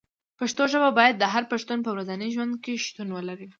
پښتو ژبه باید د هر پښتون په ورځني ژوند کې شتون ولري.